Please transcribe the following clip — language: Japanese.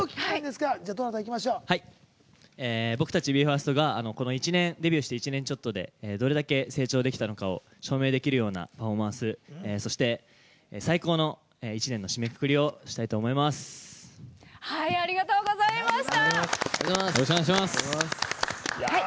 僕たちＢＥ：ＦＩＲＳＴがデビューして１年ちょっとでどれだけ成長できたかを証明できるようなパフォーマンスそして、最高の１年の締めくくりをしたいとありがとうございました。